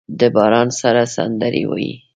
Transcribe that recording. د باران سره سندرې وايي